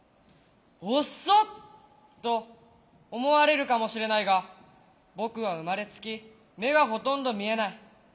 「遅っ！」と思われるかもしれないが僕は生まれつき目がほとんど見えない。